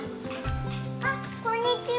あっこんにちは。